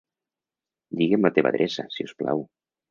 Digue'm la teva adreça, si us plau.